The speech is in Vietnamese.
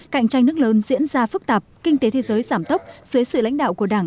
cạnh tranh nước lớn diễn ra phức tạp kinh tế thế giới giảm tốc dưới sự lãnh đạo của đảng